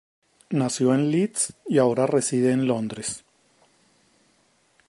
Nació en Leeds y ahora reside en Londres.